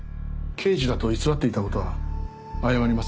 刑事だと偽っていた事は謝ります。